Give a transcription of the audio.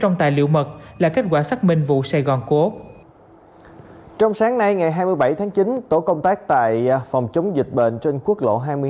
trong sáng nay ngày hai mươi bảy tháng chín tổ công tác tại phòng chống dịch bệnh trên quốc lộ hai mươi hai